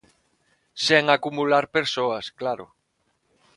Sen acumular persoas, claro.